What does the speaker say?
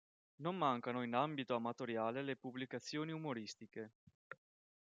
Non mancano in ambito amatoriale le pubblicazioni umoristiche.